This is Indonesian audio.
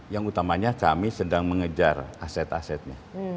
yang utamanya kami sedang mengejar aset asetnya